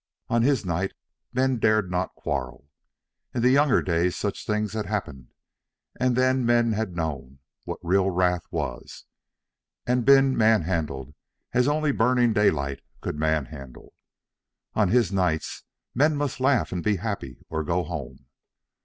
On his nights men dared not quarrel. In the younger days such things had happened, and then men had known what real wrath was, and been man handled as only Burning Daylight could man handle. On his nights men must laugh and be happy or go home.